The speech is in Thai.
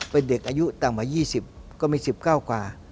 เป็นเด็กอายุต่างประมาณ๒๐ก็มี๑๙กว่า๑๘กว่า